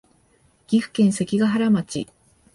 岐阜県関ケ原町